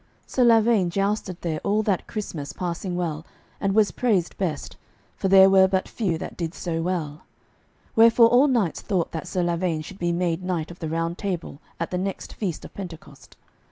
Sir Lavaine jousted there all that Christmas passing well, and was praised best, for there were but few that did so well. Wherefore all knights thought that Sir Lavaine should be made knight of the Round Table at the next feast of Pentecost.